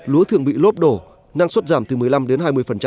lúa thường bị lốp đổ năng suất giảm từ một mươi năm đến hai mươi